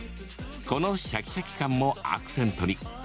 このシャキシャキ感もアクセントに。